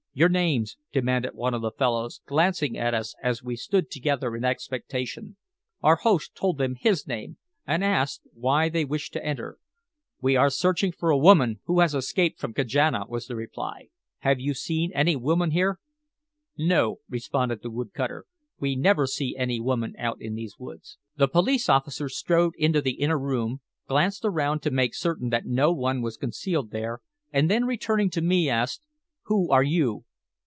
"Your names?" demanded one of the fellows, glancing at us as we stood together in expectation. Our host told them his name, and asked why they wished to enter. "We are searching for a woman who has escaped from Kajana," was the reply. "Have you seen any woman here?" "No," responded the wood cutter. "We never see any woman out in these woods." The police officer strode into the inner room, glanced around to make certain that no one was concealed there, and then returning to me asked, "Who are you?"